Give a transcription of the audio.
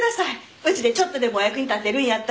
うちでちょっとでもお役に立てるんやったら。